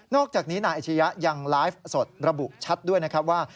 อกจากนี้นายอาชียะยังไลฟ์สดระบุชัดด้วยนะครับว่า